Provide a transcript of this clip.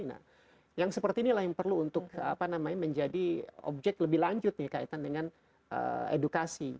nah yang seperti inilah yang perlu untuk apa namanya menjadi objek lebih lanjut nih kaitan dengan edukasi